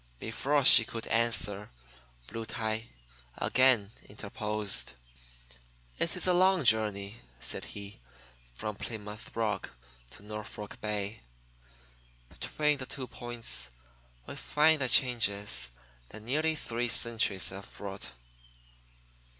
Before she could answer, Black Tie again interposed. "It is a long journey," said he, "from Plymouth rock to Norfolk Bay. Between the two points we find the changes that nearly three centuries have brought.